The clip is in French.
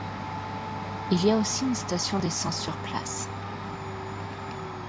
Il y a aussi une station d’essence sur place.